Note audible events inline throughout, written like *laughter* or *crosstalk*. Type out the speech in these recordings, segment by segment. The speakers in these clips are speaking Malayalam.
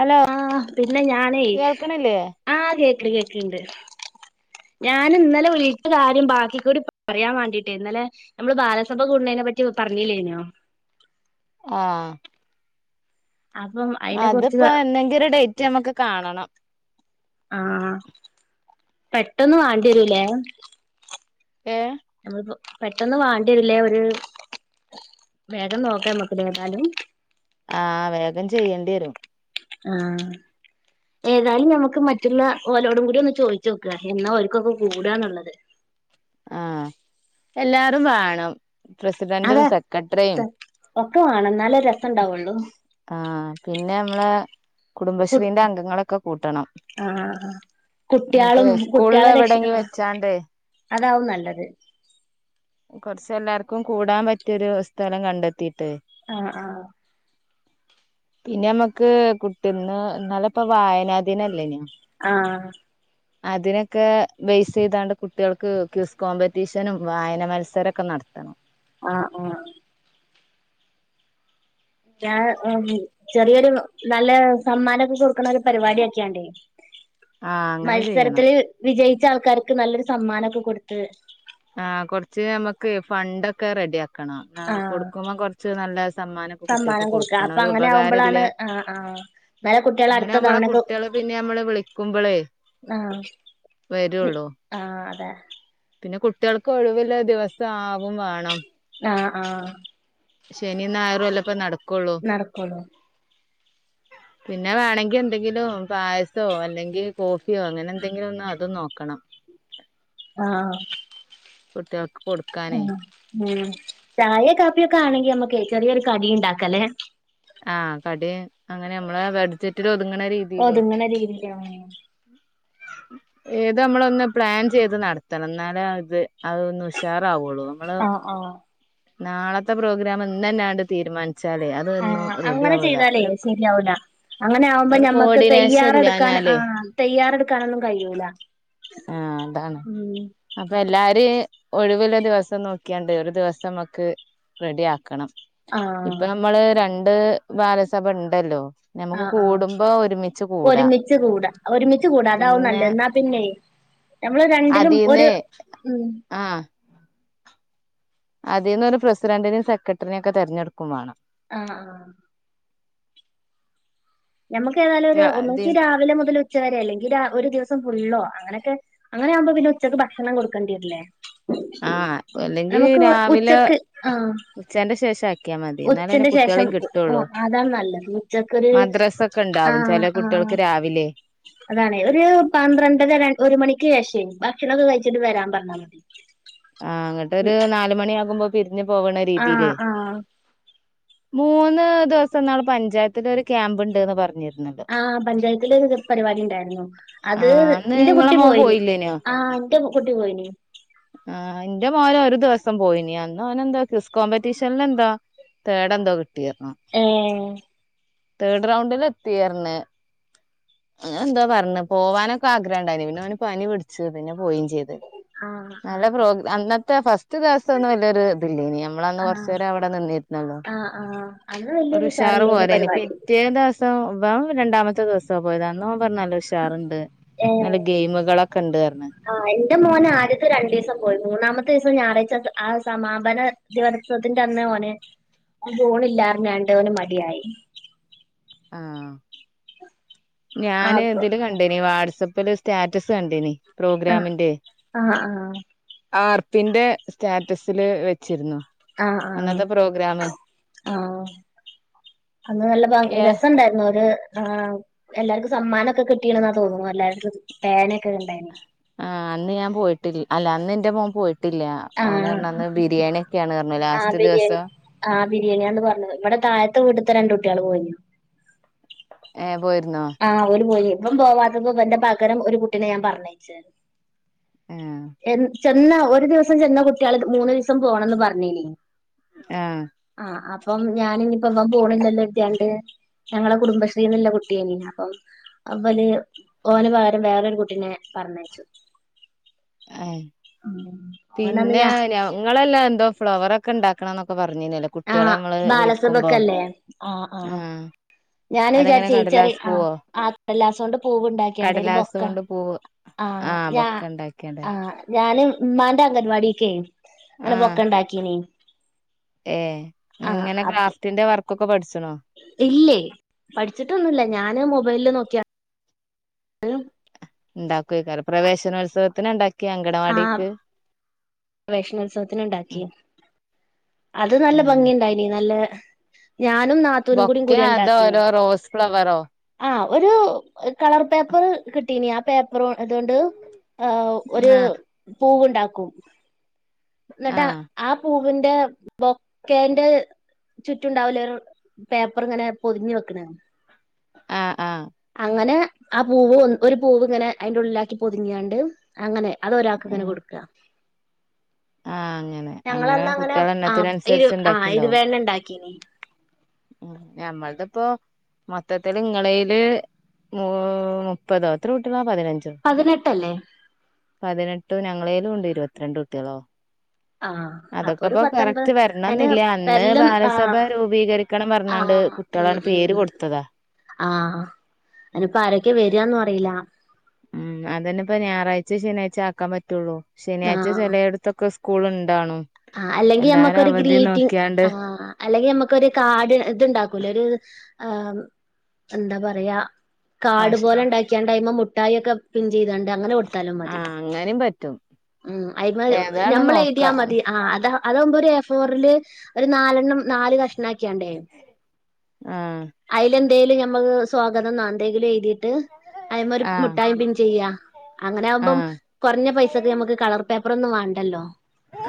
ഹലോ ആ പിന്നെ ഞാനേ കേൾക്കണില്ലേ ആ കേ തില് കേക്ക്ണ്ട് ഞാൻ ഇന്നലെ വിളിച്ച കാര്യം ബാക്കിക്കൂടി പറയാൻ വാണ്ടിട്ടെ ഇന്നലെ നമ്മള് ബാലസഭ കൂട്ണേന പറ്റി പറഞ്ഞില്ലേനൊ ആ അപ്പം അയിനെ കുറിച്ച് അതിപ്പോ എന്നെങ്കിലൊരു ഡേറ്റ് നമ്മക്ക് കാണണം ആ പെട്ടന്ന് വാണ്ടിരുല്ലെ ഏ നമ്മള്പ്പം പെട്ടെന്ന് വാണ്ടിരുല്ലേ ഒര് വേഗം നോക്കാ അമ്മക്ക് ഇതേതാലും ആ വേഗം ചെയ്യേണ്ടിരും ആ ഏതായാലും നമ്മക്ക് മറ്റുള്ള ഓലോടും കൂടിയൊന്ന് ചോയ്ച്ചോക്ക എന്നാ ഓല്ക്കൊക്കെ കൂടാന്ന്ള്ളത് ആ എല്ലാരും വേണം അതെ പ്രസിഡന്റും സെക്രട്ടറിയും ഒക്കെ വേണം ഇന്നാലെ ഒരു രസം ഉണ്ടാവുള്ളൂ ആഹ് പിന്നെ നമ്മള് കുടുംബശ്രീന്റെ അംഗങ്ങളൊക്കെ കൂട്ടണം ആഹ് എന്നിട്ട് കുട്ട്യാളും സ്കൂളിൽ കുട്ട്യാളെ രക്ഷി എവിടെങ്കിലും വെച്ചാണ്ട് അതാവും നല്ലത് കൊറച്ച എല്ലാർക്കും കൂടാൻ പറ്റിയൊരു സ്ഥലം കണ്ടെത്തീട്ട് ആ ആ പിന്നെ നമ്മുക്ക് ബുക്ക്‌ന്ന് ഇന്നലെ ഇപ്പൊ വായനാ ദിനല്ലെഞാ ആഹ് അതിനൊക്കെ ബൈസ്‌ ചെയ്താണ്ട് കുട്ടികൾക്ക് ക്വിസ് ക്കോമ്പറ്റീഷനും വായന മത്സരൊക്കെ നടത്തണം ആ ആ ഞാൻ ചെറിയൊരു നല്ല സമ്മാനമൊക്കെ കൊടുക്കണ ഒരു പരിപാടിയാക്കിക്കാണ്ട് ആഹ് അങ്ങനെ ചെയ്യണം മത്സരത്തില് വിജയി വിജയിച്ച ആൾക്കാർക്ക് നല്ലൊരു സമ്മാനൊക്കെ കൊടുത്ത് ആ കൊറച്ച് നമ്മുക്ക് ഫണ്ടൊക്കെ റെഡി ആക്കാം കൊടുക്കണം ആഹ് കൊടുക്കുമ്പോം കൊറച്ച് നല്ല സമ്മാനക്കെ കുട്ടികൾക്ക് സമ്മാനം കൊടുക്ക കൊടുക്കണം അപ്പൊ ഒരു അങ്ങനെ ഉപകാരം ആവുമ്പളാണ് ഇല്യ ആഹ് ആഹ് എന്നാലെ കുട്ടികള് അടുത്ത അങ്ങനൊവുമ്പോള തവണക്കെ കുട്ടികള് പിന്നെ നമ്മള് വിളിക്കുമ്പോളേ ആഹ് വരുള്ളു ആഹ് അതെ പിന്നെ കുട്ടികൾക്ക് ഒഴിവിള്ള ദിവസം ആവും വേണം ആ ആ ശനി ഞായറും അല്ലെ ഇപ്പൊ നടക്കൊള്ളു നടകൊള്ളു പിന്നെ വേണെങ്കി എന്തെങ്കിലും പായസോ അല്ലെങ്കിൽ കോഫി യോ അങ്ങനെ എന്തങ്കിലും ഒന്ന് അതും നോ ക്കണം ആ കുട്ടിക്കൾ കൊടുക്കാനെ മ് ചായ കാപ്പിയൊക്കെ ആണെങ്കി നമ്മുക്ക് ചെറിയൊരു കടിം ഉണ്ടാക്കല്ലെ ആ കടി അങ്ങനെ നമ്മള് ബഡ്‌ജറ്റിൽ ഓതുങ്ങനെ രീിക്ക ഏത് നമ്മള ഒന്ന് പ്ലാൻ ചെയ്ത് നടത്തണം എന്നാലേ അത് അതൊന്ന് ഉഷാറാവുള്ളൂ നമ്മള് ആഹ ആഹ നാളത്തെ പ്രോഗ്രാം ഇന്ന് തന്നെയണ്ട് തീരുമാനിച്ചു ആഹ അങ്ങനെ ചെയ്താലേ ശരിയാവല അങ്ങനെ ആവുമ്പോ ഒരു ഞമ്മക്ക് കോർഡിനേഷൻ തയ്യാറെടുക്കാൻ ഇല്ലാഞ്ഞാല് ആഹ തയ്യാറെ എടുക്കാനൊന്നും കഴിയൂല ആഹ് ഉ ഒഴിവിലെ ദിവസം നോക്കിയണ്ട് ഒരു ദിവസം നമക്ക് റെഡിിയാക്കണം ആഹ് ഇപ്പൊ നമ്മള് രണ്ട് ബാലസഭ ഉണ്ടല്ലോ നമുക്ക് ആഹ ആഹ കൂടുമ്പോ ഒരുമിച്ച് കൂടാ ഒരുമിച്ച് കൂടാ ഒരുമിച്ച് കൂടാ അതാവ പിന്നെ നല്ലാ പിന്നെ നമ്മള് രണ്ടിലും ഒരു അതീന്ന് ഉം അതേന്ന് പറഞ്ഞ പ്രസിഡന്റിനേ സെക്രട്ടറിയും ഒക്കെ തെരഞ്ഞെടുക്കും വേണം ആഹ് ആഹ് നമുക്ക് ഏതാലും വേണം ഒന്നക്ക് രാവിലെ മുതൽ ഉച്ചവരെ അല്ലെങ്കിൽ ഒരു ദിവസം ഫുള്ളോ അങ്ങനെയൊക്കെ അങ്ങനെ ആകുമ്പോ പിന്നെ ഉച്ചക്ക് ഭക്ഷണം കൊടുക്കേണ്ടിരല്ലേ ആഹ് അല്ലെങ്കി രാവിലെ ഉച്ചക്ക് ആഹ് ഉച്ചന്റെ ശേഷം ആക്കിയാ മതി എന്നാലന്നെ ഉച്ചന്റെ ശേഷം കുട്ടികളെയും കിട്ടുള്ളൂ അതാണ് നല്ലത് ഉച്ചക്കൊരു മദ്രസ ഒക്കെ ആ ഉണ്ടാവും ചില ആ കുട്ടികൾക്ക് രാവിലെ അതാണ് ഒരു പന്ത്രണ്ടര ഒരു മണിക്ക് ശേഷേ ഭക്ഷണൊക്കെ കഴിച്ചിട്ട് വരാൻ പറഞ്ഞാ മതി ആ അങ്ങട്ടൊരു നാല് മണിയികുമ്പോ ഞ് പോകണ ആ രീതിയില് ആ മൂന്ന് ദിവസം നാള് പഞ്ചായത്തില ഒരു ക്യാമ്പ് ഇണ്ട്ന്ന് പറഞ്ഞിനി ആ പഞ്ചായത്തില ഒരു പരിപാടി ഉണ്ടായിരുന്നു അത് ആഹ് അന്ന് ഇന്റെ നിങ്ങളെ കുട്ടി മോൻ പോയിനി പോയില്ലേനോ ആ ഇന്റെ കുട്ടി പോയിനി ആഹ് ൻ്റെ മോനും ഒരു ദിവസം പോയിനി അന്ന് അവനെന്തോ ക്രിസ് കോമ്പറ്റീഷൻ ല് എന്തോ തേഡ് എന്തോ കി കിട്ടിയർഞ്ഞു ഏ തേഡ് റൗണ്ടിൽ എത്തീർഞ്ഞ് അ ങ്ങനെന്തോ പറഞ് പോവാനൊക്കെ ആഗ്രഹംണ്ടായിനി പിന്നെ അവന് പനി പിടിച്ച് പിന്നെ പോയിം ചെ യ്ത് ആ നല്ല പ്രോഗ്രാം അന്ന റ്റ ഫസ് റ്റ് ദിവസം ഒന്നും വല്ലൊരു ഇതില്ലേനി നമ്മളന്ന് ആ കൊറച്ചേരം അവിടെ നിന്നിരുന്നല്ലൊ ആ ആ അന്ന് ഒരു വലിയൊരു ഉഷാർ ഉഷാറില്ലേനു പോരെനി പരിപാടി പിറ്റേ ദിവസം ഇവൻ രണ്ടാമ പിറ്റേ ദിവസ പോയത് അന്നോ പറഞ്ഞ് നല്ല ഉഷാറ്ണ്ട് ഏ നല്ല ഗെയിമുകളൊക്കെ ഇണ്ട് പർഞ്ഞ് ആ എന്റെ മോന് ആദ്യത്തെ രണ്ടു ദിവസം പോയി മൂന്നാമത്തെ ദിവസം ഞായറാഴ്ച ആ സമാപന ദോത്സവത്തിന്റെ അന്ന് ഓന് പോണ് ഇല്ലാർ ഞ്ഞാണ്ട് ഓന് മടിയായി ആഹ് ആ ഞാന് അപ്പൊ ഇതില് കണ്ടേനി വാട്സ പ്പ സ്റ്റാറ്റസ് കണ്ടേനി ആ പ്രോഗ്രാമിന്റെ ആഹ് ആഹ് ആർപ്പിന്റെ സ്റ്റാറ്റസില് വെച്ചിരുന്നു ആ ആ അന്നത്തെ പ്രോഗ്രാമ് ആഹ് അന്ന് നല്ല ഏ രസംണ്ടായിരുന്നു ഒര് ആ് എല്ലാർക്കും സമ്മാനൊക്കെ കിട്ടീ എന്നാ തോന്നുന്നു എല്ലാർക്കും പേനയൊക്കെ ഉണ്ടായിന് ആഹ് അന്ന് ഞാൻ പോയിട്ടില്ല അല്ല അന്ന് എന്റെ മോൻ പോയി ട്ടില്ല ആ ഓന് പറന്ന് ബിരിയാണിയ ഒക്കെയാണ് പറഞ്ഞു ആ ലാസ്റ്റ് ബിരിയാണി ദിവസം ആ ബിരിയാണിയാന്ന് പറഞ്ഞത് ഇവിടെ താഴത്തെ വീടുത്തെ രണ്ട കുട്ടികള് പോയിനി ഏഹ് പോയിരുന്നോ ആഹ ഒരു പോയി ഇപ്പം പോവാത്തവന്റെ പകരം ഒരു കുട്ടിനെ ഞാൻ പറഞ്ഞച്ചരുന്നു ആഹ ചെന്ന ഒരു ദിവസം ചെന്ന കുട്ടികള് മൂന്ന് ദിവസം പോണംന്ന് പറഞ്ഞില്ലേ ആഹ് അപ്പം ഞാനിിപ്പോ എൻ പോണില്ലല്ലോ എത്തിാണ്ട് ഞങ്ങളെ കുടുംബശ്രീന്ന ട്ട അപ്പം അവല് ഓന പകരം വേറരു കുട്ടീനെ പറഞ്ഞച്ചു ആ പിന്നെ ഞാ ഞങ്ങളല്ല എന്തോ ഫ്ലവർൊക്കെ ഒക്കണ്ടണണംൊക്ക പറഞ്ഞു പറഞ്ഞിരുന്നല്ലേ കുട്ടികളെ നമ്മള് വിളിക്കുമ്പോ ആ് ആഹ ആഹ് ഞൻ അതെങ്ങനെ വിചാരിച്ച ഏച്ചെറി കടലാസ് ആ പൂവോ ആല്ലാസം കൊണ്ട് പൂവ് ഉണ്ടാക്കിയണ്ട ഒരു കടലാസ് ബൊക്ക കൊണ്ട് പൂവ് ആഹ ആഹ് ഞാ ബൊക്കെ ഉണ്ടാക്കിയാണ്ട് ആ ഞാന് ഉ്മാന്റെ അംഗൻവാടിക്കെ അങ്ങനെ പൊക്ക ഉണ്ടാക്കീിന ഏ ഇങ്ങനെ അപ്പൊ ക്ലാഫറ്റിന്റെ വർക്ക് പക്ക പഠു ഇല്ലേ പഠിച്ചിട്ടൊന്നുമില്ല ഞാന് മൊബൈല നോക്ക ഉണ്ടാക്കക്ക പ്രവേശനോത്സവത്തിന് ഉണ്ടാക്കി ആഹ ഗവേഷണോത്സവത്തിന് ഉണ്ടാക്കി അത് നല്ല ഏഹ് ഭംഗി ഉണ്ടായിന് നല്ല ഞാനും നാത്തൂനും കൂട ബൊക്കെ അതോ കൂടണ്ടാക്കിന ഓരോ റോസ് ഫ്ലവറോ ആ ഒരു കളർ പേപ്പർ കിട്ടീന ആ പേപ്പർ അതുകൊണ്ട് ഒരു ആഹ് പൂവുണ്ടാക്കും നട്ടാ ആഹ് ആ പോ ന്റെ ബൊക്കേന്റെ ചുറ്റണ്ടാവൂല പേപ്പർ ഇങ്ങനെ പൊതിഞ്ഞു വെക്കണ ആഹ് ആഹ അങ്ങനെ ആ പൂവ് ഒരു പൂവ് ഇങ്ങനെ അതിന്റെ ഉള്ളിലാക്കി പൊതുങ്ങിയണ്ട് അങ്ങനെ അത ഒരാൾക്ക് ഇങ്ങനെ ആഹ് കൊടുക്ക അങ്ങനെ ഞങ്ങളന്ന അങ്ങനെ കുട്ടികളെ ആ ഇരു എണ്ണത്തിനനുസരിച്ച് ആ് ഇരുവേണ ഉണ്ടാക്കീന ഉ ഞമ്മളുടെ ഇപ്പോൊ മൊത്തത്തില്ൽ ഇങ്ങളയില് മ മുപ്പതോത്തി വിട്ട പതിനെട്ട്ല്ലേ പതിനെട്ട് ഞങ്ങളേലും ഉണ്ട് ഇരുപത്തിരണ്ട് കുട്ടികളോ ആ അപ്പൊ അതൊക്കെ ഒരു ഇപ്പോൊ പത്തൊൻപത് കറക്റ്റ് അതിന് വരണെന്നില്ല അന്ന് വെല്ലം ആ ബാലസഭ രൂപീകരിക്കണം ആ പറഞ്ഞാണ്ട് കുട്ടികളാണ് പേര് കൊടുത്തതാ ആഹ് അയിനിപ്പോ ആരൊക്കെ വരുയാന്നന്ന് അറിയില്ല. ഉം അതുതന്നെ ഇപ്പൊ ഞായറാഴ്ച ശനിയാഴ്ച ആക്കാൻ പറ്റുള്ളൂ. ശനിയാഴ്ച്ച ചിലയിടത്തൊക്കെ. സ്കൂൾ ഉണ്ടാണോ ആഹ് അല്ലെങ്കിൽ നമുക്കൊരു ഗ്രീൻടീ ആഹ് അല്ലെങ്കിൽ നമുക്കൊരു കാർഡ് ഇത് ഇണ്ടാക്കൂലെ ഒരു. ഏഹ് എന്താ പറയാ കാട് ആശ പോലെ ഉണ്ടാക്കാണ്. ടൈമും മുട്ടായി ഒക്കെ. പിൻ ചെയ്തണ്ട് അങ്ങനെ കൊടുത്താലും മതി ആഹ് അങ്ങനേം പറ്റും ഉം അയ്മേ ഏതാണ് ഞമ്മള് നോക്ക എഴുതിയാൽ മതി. അതാ അതാകുമ്പോ എ ഫോറിലെ ഒരു നാലെണ്ണം നാല് കഷ ണ്ടാക്കേണ്ട ആഹ് *unintelligible* എന്തേലും ഞമ്മക്ക് സ്വാഗതം നാന്ത് എന്തെങ്കില് എഴുതി. ട്ട് അയ് ഒരു ആഹ് മുട്ടായി പിൻ ചെയ്യാ അങ്ങനെ ആകുമ്പോ ആഹ് കുറഞ്ഞ പൈസക്ക് നമുക്ക് കളർ പേപ്പ അപ്പറൊന്നും വേണ്ടല്ലോ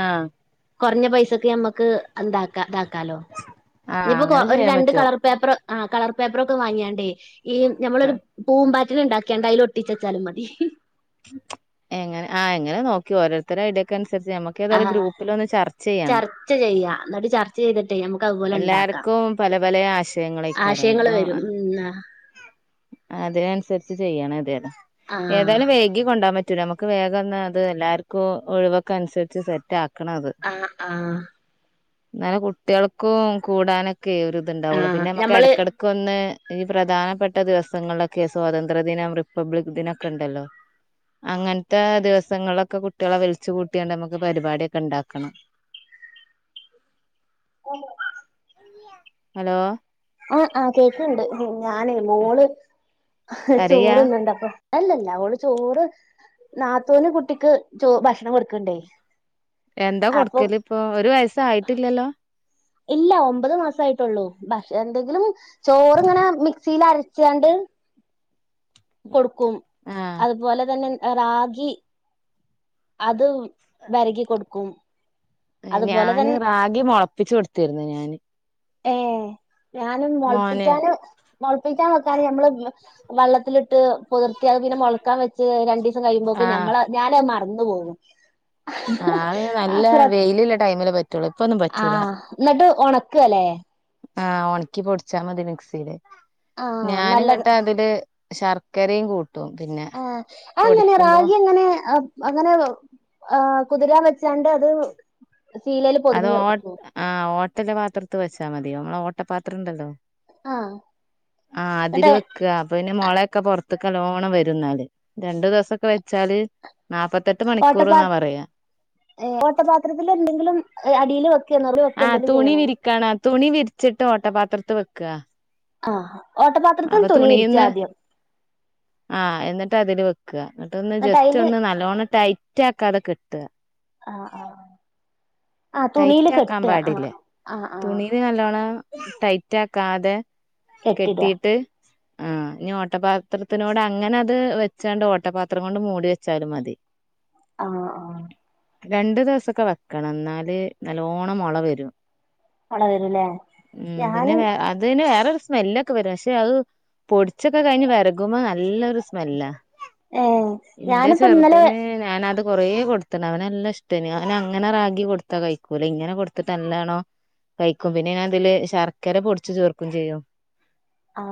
ആഹ് കുറഞ്ഞ പൈസക്ക് ഞമ്മ ക്കെ എന്താക്കാം ഇതാക്കാലോ ആഹ് ഇനിയിപ്പൊ കൊ അങ്ങനെ ഒരു ചെയ്യാൻ രണ്ട് പറ്റും കളർ പേപ്പർ. ആഹ് കളർ പേപ്പർ ഒക്കെ വാങ്ങിയാണ്ടേ. ഈ ഞമ്മളൊരു ആഹ് പൂമ്പാ റ്റ ഉണ്ടാക്കേണ്ട അയിൽ ഒട്ടിച്ചുവെച്ചാലും മതി. എങ്ങനെ ആഹ് എങ്ങനെ നോക്കി ഓരോരുത്തരുടെ ഇടയ്ക്ക്. ഞമ്മുക്ക് ഏതായാലും ആഹ് ഗ്രൂപ്പിൽ ഒന്ന് ചർച്ച ചെയ്യണം, ചർച്ച ചെയ്യാ എന്നിട്ട് ചർച്ച ചെയ്തിട്ടേ നമുക്ക് അതുപോലെ ഉണ്ടാക്കാം എല്ലാർക്കും പലപല ആശയങ്ങളക്കാരം ആശയങ്ങള് അപ്പൊ വരും ഉം അതിനനുസരി ചെയ്യണം അതു ആഹ് ഏതായാലും വേഗ കൊണ്ടുപോകാൻ പറ്റൂല നമുക്ക് വേഗയെന്നാ അത് എല്ലാർക്കും ഒഴുവൊക്കെ അനുസരിച്ച് സെറ്റ് ആക്ക ആഹ് ആഹ് എന്നാലെ കുട്ടികൾക്കും കൂടാനൊ ഒക്കെ ഒരു ഇത് ഇണ്ടാവുള്ളൂ ആഹ് പിന്നെ നമുക്ക് ഞമ്മള് ഇടയ്ക്കിടയ്ക്ക് ഒന്ന്. ഇനി പ്രധാനപ്പെട്ട ദിവസങ്ങളിലൊക്കെ സ്വാതന്ത്ര്യദിനം റിപ്പബ്ലിക് ദിനം ഒക്കെ ഉണ്ടല്ലോ. അങ്ങനെത്തെ ദിവസങ്ങളിലൊക്കെ കുട്ടികളെ വിളിച്ചു കൂട്ടിണ്ട് നമുക്ക് പരിപാടിയൊക്കെ ഉണ്ടാക്കണം. ആണ്. ഹലോ ആഹ് ആഹ് കേക്കുണ്ട് ഞാന് മോള്. കരയാ ചോറെതിന്നുണ്ടോ അപ്പൊ. അല്ലല്ല ഓള് ചോറ് നാത്തൂന് കുട്ടിക്ക് ചോ ഭക്ഷണം കൊടുക്കണ്ടേ. എന്താ കൊട്ക്കല് പ്പൊ ഒരു വയസ്സായിട്ടില്ലല്ലോ ഇല്ല ഒമ്പത് മാസായിട്ടൊള്ളൂ ഭ എന്തെങ്കിലും ചോറ്ങ്ങനെ മിക്സിയിലരച്ചാണ്ട് കൊട്ക്കും ആഹ് അതുപോലെ തന്നെ റാഗി അത് വരകി കൊടുക്കും. അതുപോലെ ഞാന് തന്നെ റാഗി മൊളപ്പിച്ചൊട് ത്തിരുന്നു ഞാന് ഏ ഞാനും മോന് മൊളപ്പിച്ചാന് മൊളപ്പിക്കാൻ വെക്കാന് ഞമ്മള് വ് വെള്ളത്തിലിട്ട് പൊതർത്ത്യാ അഅ്പിന്നെ മൊളക്കാൻ വെച്ച് രണ്ടി സം കയ്യിമ്പോക്ക് നമ്മളെ ഞാനഅ് മ റന്നു പോകും. ആ അഅ് നല്ല ആഹ് ശ്ര വെ യ്‌ല്ല്ലേ ടൈമില് പറ്റൊള്ളൂ ഇപ്പൊന്നും പറ്റൂല ഒണക്ക ല്ലെ ആ ഒണക്കി പൊട്ച്ചാമതി മിക്സില് ആഹ് നല്ലത് ഞാന്ങ്ങട്ടാതില് ശർക്കരയും കൂ ആ അത് എങ്ങനെ റാഗി എങ്ങനെ അങ്ങനെ ആ കുതിരാൻ വെ *unintelligible* അത് ശീലേൽ അത് പൊതിഞ്ഞു ഓ വെക്കും. *unintelligible* പാത്രത്ത് വച്ചാ മതി നമ്മള ഓട്ട പാത്രം ഇണ്ടല്ലോ ആഹ് ആഹ് അതില് എന്നിട്ട് വെക്കാ അപ്പൊ പിന്നെ മോളെ *unintelligible* പൊറത്ത്ക്ക് നല്ലോണം വരും എന്നാല് രണ്ടു ദിവസൊക്കെ വെച്ചാല് നാപ്പത്തെട്ട് ഓട്ട പാ മണിക്കൂർന്നാ പറയാ ഏഹ് ഓട്ട പാത്രത്തിൽ എന്തെങ്കിലും അടീല് വെ ആഹ് തുണി വിരിക്കണ തുണി വിരിച്ചിട്ട് ഓട്ടപാത്ര *unintelligible* വെക്കാ ആ ഓട്ടപാത്രത്തിൽ തുണി വിരിച്ചു ആദ്യം *unintelligible* അതില് വെ *unintelligible* എന്നിട്ട് ഒന്ന് ജസ്റ്റ് ഒന്ന് നല്ലോണം ടൈ *unintelligible* ആ ആ ആ തുണി റ്റക്കാൻ കെട്ട പാടില്ല തുണിൽ നല്ലോണം ടൈറ്റ ആ കാതെ കെട്ടിട കെട്ടീയിട്ട് ആഹ ഇനി ഓട്ടപാത്രത്തിനോട് അങ്ങനെ അത് വെച്ചാണ്ട് ഓട്ടപാത്രം കൊണ്ട് മൂടി വെച്ചാലും മതി ആ ആ രണ്ടു ദിവസൊക്കെ വെക്കണം എന്നാല് നല്ലോഓണം മുള വരും മള വരൂല്ലേ ഉ പിന്നെ ഞാന് വേ അത്ന് വേറെരു സ്മെല്ലൊക്കെ വരും പക്ഷെ അത് പൊടിച്ചൊക്കെ കഴിഞ്ഞ് വരകുമ്പോ നല്ലൊരു സ്മെല്ല ഏ ഇന്റെ ഞാനിപ്പോ ഇന്നലെ ചെറുതിന് ഞാനത് കൊറേ കൊടുത്തണ അവനെല്ല ഇഷ്ടന് അവന അങ്ങനെ റഗി കൊടുത്ത കഴ ക്കൂല ഇങ്ങനെ കൊടുത്തിട്ട് നല്ലതാണോ കഴിക്കും പിന്നെ ഞ അതില് ശർക്കര പൊടിച്ച് ചേർക്കും ചെയ്യോ ആ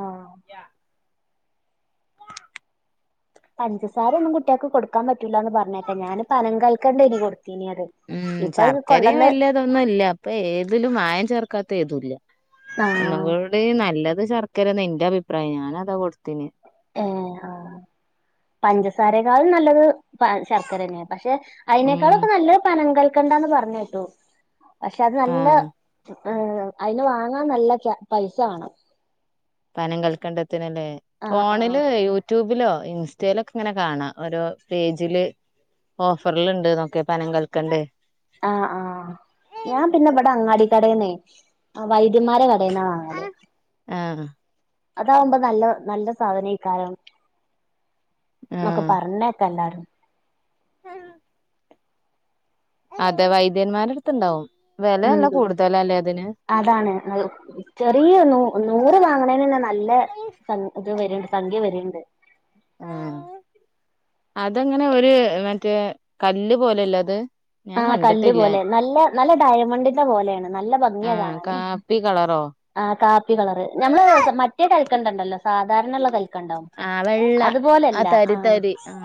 ഇല്ല പഞ്ചസാര ഒനും കുട്ടിആക്ക് കൊടുക്കാൻ പറ്റൂല്ല എന്ന് പറഞ്ഞേട്ടെ ഞാന് പനം കൽക്കണ്ടണ്ട് ഇനി കൊടു ഉം ശർക്കരയും വലതൊന്നും ഇല്ല അപ്പൊ ഏതിലും മായം ചേർക്കാത്ത ഏതും ഇല്ല ആ ഒന്നും കൂടി നല്ലത് ചർക്ക ർക്കരഎന്റെ അഭിപ്രായം ഞാന അതാ കൊടുത്തിന് ഏ ആ പഞ്ചസാരക്കാലം നല്ലത് ശർക്കര തനെയ പക്ഷെ ഉം അതിനേക്കാളൊക്കെ നല്ലൊരു പനം കല് കേക്കണ്ടന്ന് പറഞ്ഞ കേട്ടു പക്ഷെ അത് നല്ല ആഹ് ആ അതിന് വാങ്ങാൻ നല്ല പൈസ വേണം പനം കൽക്കണ്ടം ത്തില്ലേ ആ ആ ഫോണില് യൂട്യൂബ് ിലോ ഇൻസ്റ്റയിലൊക്കെ ഇങ്ങനെ കാണാം ഓരോ പേജില് ഓഫറൽുണ്ട് നോക്കെ പനം കൾക്കണ്ടേ ആ ആഹ ഞാൻ പിന്നെ ഇവിടെ അങ്ങാടി കടന്നെ വൈദ്യ ഇരുമാരെ കടയിന്നാ വാങ്ങല് ആഹ് അതാവുമ്പോ നല്ല നല്ല സാധനേ കാരം എന്നൊക്കെ പറഞ്ഞ ഒക്കെ എല്ലാരും ആഹ അതെ വൈദ്യന്മാരുടുത്ത്ുണ്ടാവും ഉ അതാണ് ചെറിയ നൂ നൂറ് വാങ്ങണേന് തന്നെ നല്ല ഇത് വരു തങ്ക്യ വരണ്ട് ആഹ അതെങ്ങനെ ഒരു മറ്റേ കല്ല് പോലെല്ല അത് ഞാൻ ആഹ കല്ല് കണ്ടിട്ടില്ല പോലെ നല്ല നല്ല ഡയമണ്ടിന്റെ പോലെയാണ് നല്ല ഭംഗിയ ആഹ് കാണാനെ കാപ്പി കളറോ ആ കാപ്പി കളറ് നഞമ്മള് മറ്റേ ഒക്കണ്ടല്ലോ ആ വെള്ള ആ അതുപോലെല്ല തരി ആഹ് തരി ആ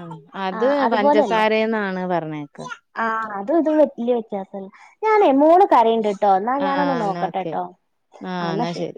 അത് പഞ്ചസാരന്നാണ് പറ പറേക്കെ ആഹ അതും ഇതും വലിയ വ്യത്യാസല്ല ഞാനേ മൂ കറണ്ട്ിട്ടോ എന്നാ ആഹ് ഞാനൊന്ന് എന്നാ ഓക്കെ നോക്കട്ടെട്ടോ എന്ന ആഹ് എന്നാ ശെരി ശരി